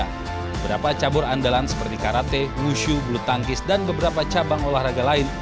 beberapa cabur andalan seperti karate wushu bulu tangkis dan beberapa cabang olahraga lain